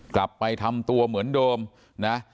กลับไปทำตัวเหมือนเดิมนะ